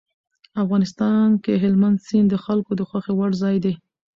افغانستان کې هلمند سیند د خلکو د خوښې وړ ځای دی.